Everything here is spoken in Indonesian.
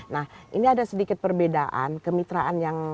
nah ini ada sedikit perbedaan kemitraan yang